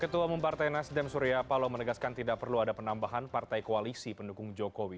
ketua umum partai nasdem surya paloh menegaskan tidak perlu ada penambahan partai koalisi pendukung jokowi